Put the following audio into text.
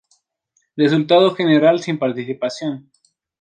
Resultado general: "Sin participación"